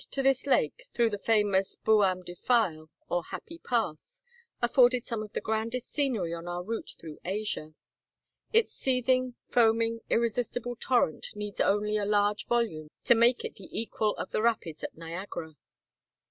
to this lake, through the famous Buam Defile, or Happy Pass, afforded some of the grandest scenery on our route through Asia. Its seething, foaming, irresistible torrent needs only a large volume to make it the equal of the rapids at Niagara.